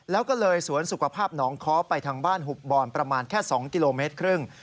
แล้วก็เลยสวนสุขภาพหนองค้อไปทางบ้านหุบบอนประมาณแค่๒กิโลเมตรครึ่ง